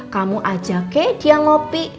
kamu ajaknya dia ngopi